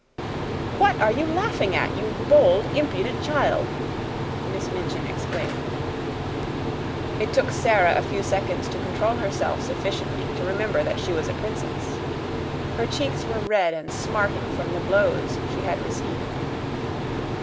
"What are you laughing at, you bold, impudent child?" Miss Minchin exclaimed. It took Sara a few seconds to control herself sufficiently to remember that she was a princess. Her cheeks were red and smarting from the blows she had received.